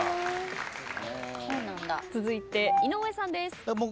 続いて井上さんです。